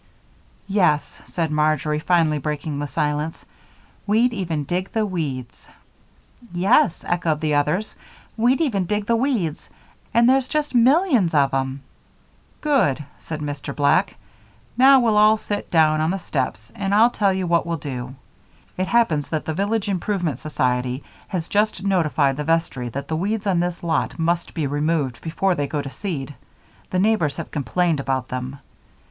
"Yes," said Marjory, finally breaking the silence. "We'd even dig the weeds." "Yes," echoed the others. "We'd even dig the weeds and there's just millions of 'em." "Good!" said Mr. Black. "Now, we'll all sit down on the steps and I'll tell you what we'll do. It happens that the Village Improvement Society has just notified the vestry that the weeds on this lot must be removed before they go to seed the neighbors have complained about them.